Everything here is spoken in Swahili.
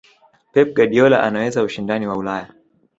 pep guardiola anaweza ushindani wa ulaya